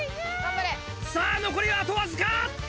さぁ残りはあとわずか！